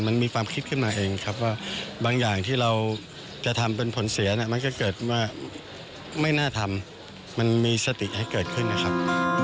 มันมีความคิดขึ้นมาเองครับว่าบางอย่างที่เราจะทำเป็นผลเสียมันก็เกิดว่าไม่น่าทำมันมีสติให้เกิดขึ้นนะครับ